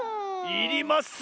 いります。